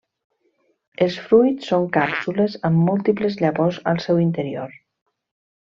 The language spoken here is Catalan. Els fruits són càpsules amb múltiples llavors al seu interior.